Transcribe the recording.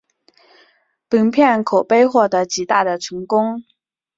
本片口碑获得极大的成功。